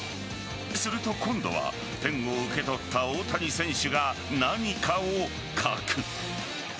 すると今度はペンを受け取った大谷選手が何かを書く。